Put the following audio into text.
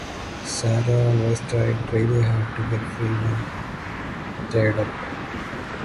Sarah always tried really hard to get free when tied up.